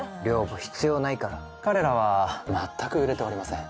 寮母必要ないから・彼らは全く売れておりません・